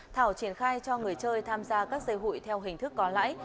thảo triển khai cho người chơi tham gia các dây hụi theo hình thức có lãi